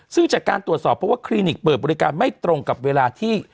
ซึ่งจากการตรวจสอบเพราะว่าคลินิกเปิดบริการไม่ตรงกับเวลาที่